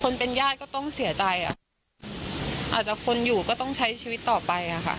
เป็นญาติก็ต้องเสียใจอ่ะอาจจะคนอยู่ก็ต้องใช้ชีวิตต่อไปอ่ะค่ะ